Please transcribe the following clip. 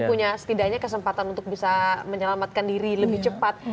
punya setidaknya kesempatan untuk bisa menyelamatkan diri lebih cepat